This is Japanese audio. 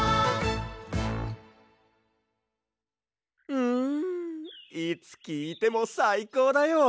うんいつきいてもさいこうだよ。